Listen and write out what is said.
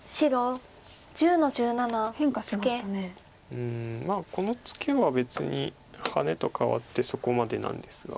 うんこのツケは別にハネと換わってそこまでなんですが。